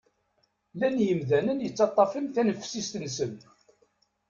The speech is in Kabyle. Llan yimdanen i yettaṭṭafen tanefsit-nsen.